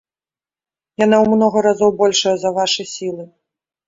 Яна ў многа разоў большая за вашы сілы.